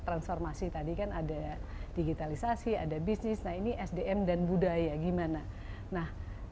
transformasi tadi kan ada digitalisasi ada bisnis nah ini sdm dan budaya gimana nah